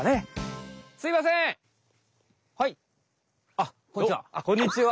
あっこんにちは。